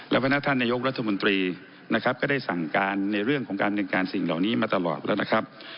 และพนักท่านนายกรัฐมนตรีนะครับก็ได้สั่งการในเรื่องของการเงินการสิ่งเหล่านี้มาตลอดแล้วนะครับ